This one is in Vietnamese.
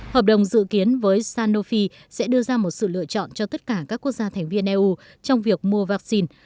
hợp đồng dự kiến với sanofi sẽ đưa ra một sự lựa chọn cho tất cả các quốc gia thành viên eu trong việc mua vaccine